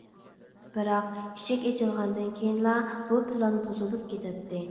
بىراق ئىشىك ئېچىلغاندىن كېيىنلا بۇ پىلان بۇزۇلۇپ كېتەتتى.